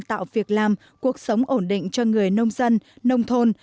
tạo việc làm cuộc sống ổn định cho người nông dân nông thôn